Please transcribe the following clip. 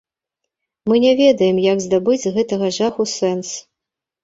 Мы не ведаем, як здабыць з гэтага жаху сэнс.